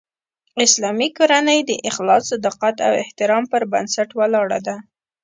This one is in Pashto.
اسلامي کورنۍ د اخلاص، صداقت او احترام پر بنسټ ولاړه ده